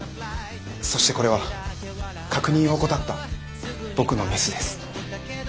そしてこれは確認を怠った僕のミスです。